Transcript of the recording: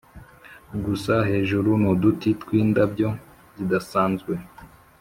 gusa hejuru nuduti twindabyo zidasanzwe